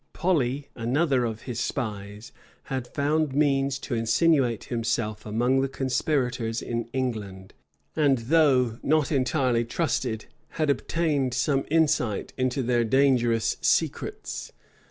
Polly, another of his spies, had found means to insinuate himself among the conspirators in England; and, though not entirely trusted, had obtained some insight into their dangerous secrets.